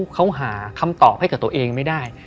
เขาหาคำตอบให้กับตัวเองไม่ได้